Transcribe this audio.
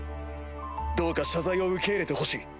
どうか謝罪を受け入れてほしい。